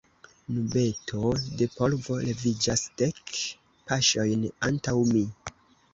Nubeto de polvo leviĝas, dek paŝojn antaŭ mi.